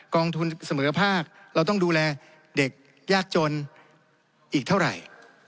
องทุนเสมอภาคเราต้องดูแลเด็กยากจนอีกเท่าไหร่